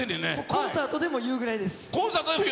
コンサートでも言うぐらいでコンサートで？